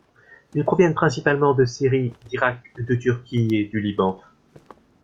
Ils proviennent principalement de Syrie, d’Iraq, de Turquie et du Liban.